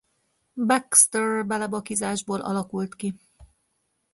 Baxxter-belebakizásból alakult ki.